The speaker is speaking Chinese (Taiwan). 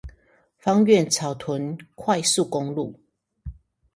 芳苑草屯快速公路